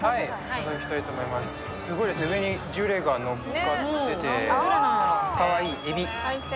すごい上にジュレがのっかってて、かわいいえび。